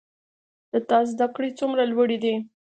د تا زده کړي څومره لوړي دي